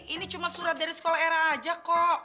ini cuma surat dari sekolah era aja kok